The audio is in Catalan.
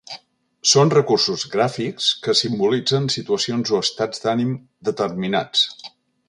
Són recursos gràfics que simbolitzen situacions o estats d'ànim determinats.